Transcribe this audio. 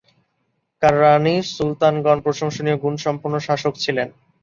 কররানী সুলতানগণ প্রশংসনীয় গুণসম্পন্ন শাসক ছিলেন।